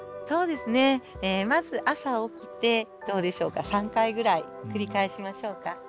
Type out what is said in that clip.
そうですねまず朝起きてどうでしょうか３回ぐらい繰り返しましょうか。